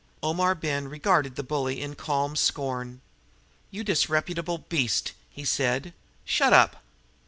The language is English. Omar Ben regarded the bully in calm scorn. "You disreputable beast," he said, "shut up!"